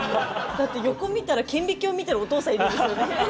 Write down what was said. だって横見たら顕微鏡見てるお父さんいるんですよね。